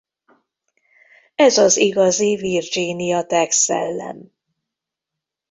Ez az igazi Virginia Tech szellem.